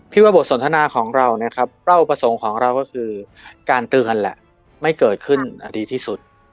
ว่าบทสนทนาของเรานะครับเป้าประสงค์ของเราก็คือการเตือนแหละไม่เกิดขึ้นดีที่สุด